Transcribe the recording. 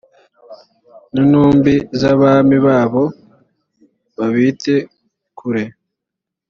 n intumbi z abami babo babite kure